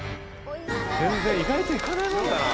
意外といかないもんだな。